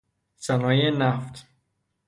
صنایع نفت